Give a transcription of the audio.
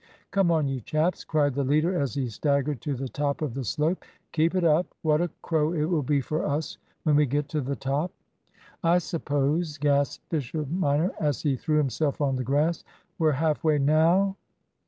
"Come on, you chaps," cried the leader as he staggered to the top of the slope. "Keep it up. What a crow it will be for us, when we get to the top!" "I suppose," gasped Fisher minor, as he threw himself on the grass, "we're half way now?"